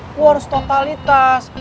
gua harus totalitas